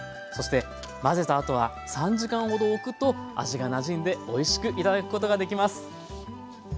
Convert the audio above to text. そして混ぜたあとは３時間ほどおくと味がなじんでおいしく頂くことができます。